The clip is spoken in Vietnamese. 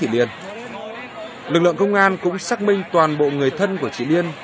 lực lượng công an cũng xác minh toàn bộ người thân của chị liên